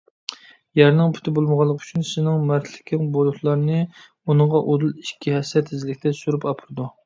يەرنىڭ پۇتى بولمىغانلىقى ئۈچۈن سېنىڭ مەرتلىكىڭ بۇلۇتلارنى ئۇنىڭغا ئۇدۇل ئىككى ھەسسە تېزلىكتە سۈرۈپ ئاپىرىدۇ.